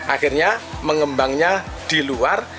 akhirnya mengembangnya di luar